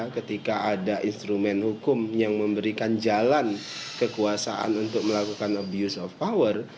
ketika ada instrumen hukum yang memberikan jalan kekuasaan untuk melakukan abuse of power